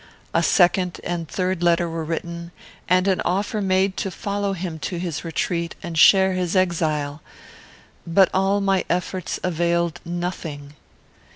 A second and third letter were written, and an offer made to follow him to his retreat and share his exile; but all my efforts availed nothing.